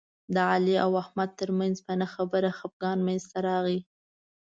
د علي او احمد ترمنځ په نه خبره خپګان منځ ته راغی.